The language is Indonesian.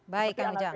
baik kang ujang